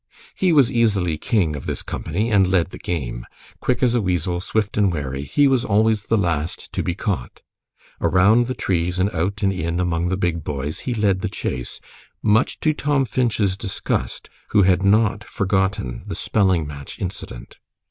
He was easily king of his company and led the game. Quick as a weasel, swift and wary, he was always the last to be caught. Around the trees, and out and in among the big boys, he led the chase, much to Tom Finch's disgust, who had not forgotten the spelling match incident.